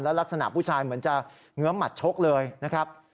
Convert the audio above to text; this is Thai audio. ลักษณะผู้ชายเหมือนจะเงื้อหมัดชกเลยนะครับ